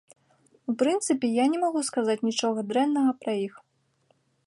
У прынцыпе, я не магу сказаць нічога дрэннага пра іх.